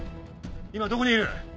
今どこにいる？